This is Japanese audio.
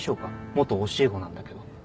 元教え子なんだけど。